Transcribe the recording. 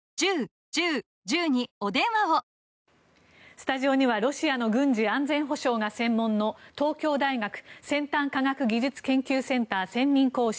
スタジオにはロシアの軍事・安全保障が専門の東京大学先端科学技術研究センター専任講師